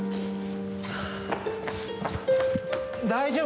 大丈夫？